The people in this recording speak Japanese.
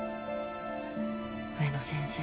植野先生